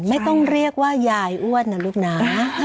ไม่ต้องเรียกว่ายายอ้วนนะลูกน้ำ